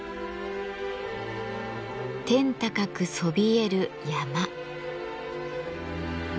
天高くそびえる山。